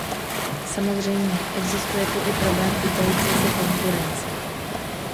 Samozřejmě, existuje tu i problém týkající se konkurence.